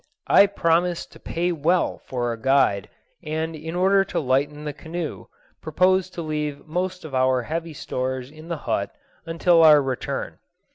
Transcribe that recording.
I promised to pay well for a guide, and in order to lighten the canoe proposed to leave most of our heavy stores in the hut until our return.